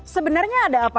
sebenarnya ada apa